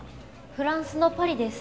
フランスのパリです。